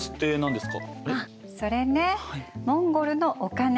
あっそれねモンゴルのお金。